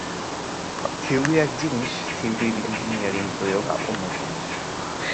Theory এক জিনিস, থিওরির ইনজিনিয়ারিং প্রয়োগ অন্য জিনিস।